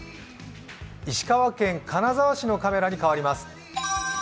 石川県金沢市のカメラにかわります。